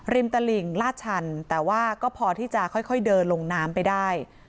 ตลิ่งลาดชันแต่ว่าก็พอที่จะค่อยเดินลงน้ำไปได้